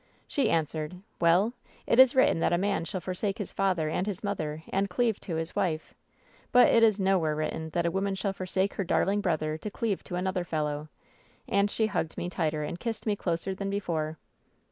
"She answered: Well? It is written that a man shall forsake his father and his mother and cleave to his wife ; but it is nowhere written that a woman shall for sake her darling brother to cleave to another fellow.' And she hugged me tighter and kissed me closer than before."